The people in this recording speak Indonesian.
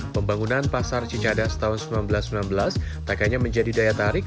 pembangunan pasar cicadas tahun seribu sembilan ratus sembilan belas tak hanya menjadi daya tarik